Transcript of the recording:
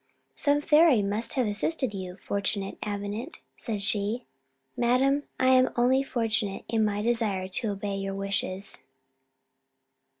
"Some fairy must have assisted you, fortunate Avenant," said she. "Madam, I am only fortunate in my desire to obey your wishes."